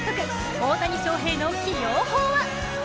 大谷翔平の起用法は？